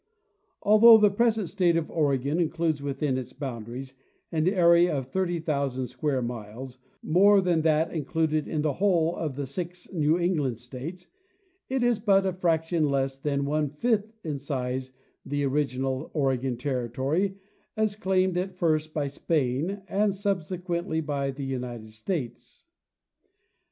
Although the present state of Oregon includes within its boundaries an area of 30,000 square miles more than that in cluded in the whole of the six New England states, it is buta fraction less than one fifth in size of the original Oregon terri tory as claimed at first by Spain and subsequently by the United States.